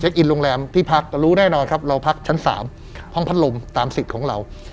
อินโรงแรมที่พักรู้แน่นอนครับเราพักชั้น๓ห้องพัดลมตามสิทธิ์ของเรา